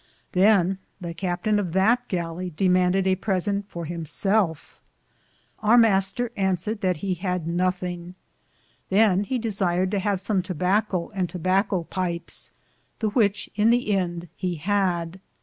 Than the captaine of that gallie demanded a presente for him selfe. Our Mr. answered that he had nothinge. Than he desiered to have som tobacko^ and tobackco pipes, the which in the end he had.